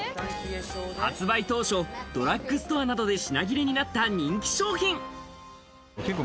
発売当初、ドラッグストアなどで品切れになった人気商品。